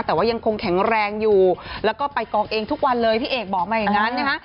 แต่ว่ายังคงแข็งแรงอยู่แล้วก็ไปกองเองทุกวันเลยพี่เอกบอกมาอย่างนั้นนะคะ